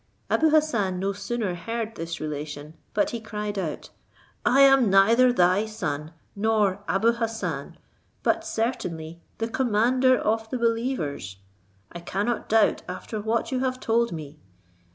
Abou Hassan no sooner heard this relation, but he cried out, "I am neither thy son, nor Abou Hassan, but certainly the commander of the believers. I cannot doubt after what you have told me.